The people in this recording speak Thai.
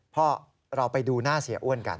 เพราะเราไปดูหน้าเสียอ้วนกัน